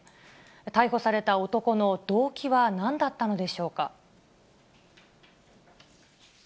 逮捕された男の動機はなんだったのでしょうか。